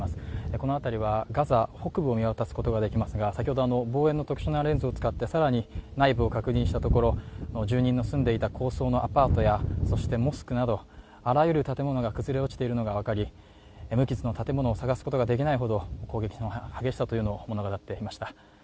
この辺りはガザ北部を見渡すことができますが先ほど望遠の特殊なレンズを使って更に内部を確認したところ住人の住んでいた高層のアパートやそしてモスクなどあらゆる建物が崩れ落ちているのが分かり無傷の建物を探すことができないほど攻撃の激しさを物語っていました。